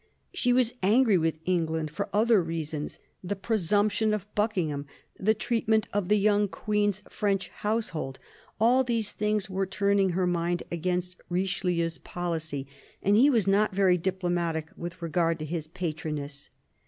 She was angry with England for other reasons : the pre sumption of Buckingham, the treatment of the young Queen's French household. All these things were turning her mind against Richelieu's policy. And he was not very diplomatic with regard to his patroness.